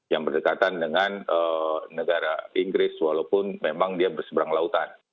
yang berdekatan dengan negara inggris walaupun memang dia berseberang lautan